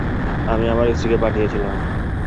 আমি আমার স্ত্রীকে পাঠিয়েছিলাম।